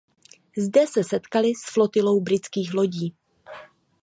Zde se setkali s flotilou britských lodí.